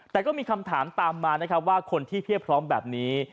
แต่ก็มีคำถามตามมานะครับว่าคนที่เพียบพร้อมแบบนี้